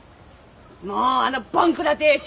もうあのぼんくら亭主！